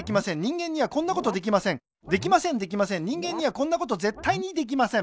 できませんできません人間にはこんなことぜったいにできません